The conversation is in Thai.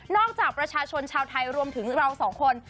จากประชาชนชาวไทยรวมถึงเราสองคน